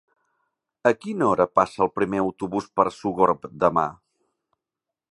A quina hora passa el primer autobús per Sogorb demà?